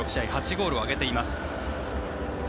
８ゴールを挙げています。